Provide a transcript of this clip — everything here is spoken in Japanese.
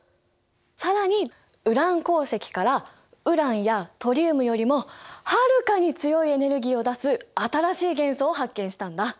更にウラン鉱石からウランやトリウムよりもはるかに強いエネルギーを出す新しい元素を発見したんだ。